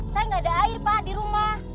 saya nggak ada air pak di rumah